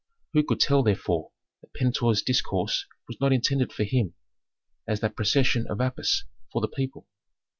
Who could tell, therefore, that Pentuer's discourse was not intended for him, as that procession of Apis for the people?